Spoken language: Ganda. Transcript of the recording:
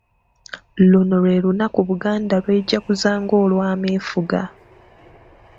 Luno lwe lunaku Buganda lw’ejaguza ng’olwameefuga.